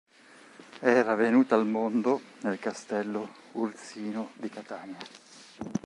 Era venuta al mondo nel castello Ursino di Catania.